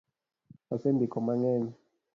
Asendiko mangeny